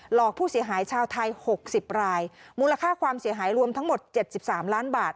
อกผู้เสียหายชาวไทย๖๐รายมูลค่าความเสียหายรวมทั้งหมด๗๓ล้านบาท